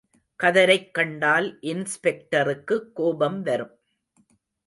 கதரைக் கண்டால் இன்ஸ்பெக்டருக்கு கோபம் வரும்.